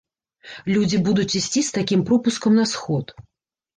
Людзі будуць ісці з такім пропускам на сход.